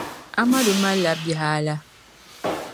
Amadu mali la bihi ala?